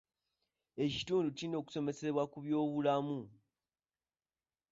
Ekitundu kirina okusomesebwa ku byobulamu.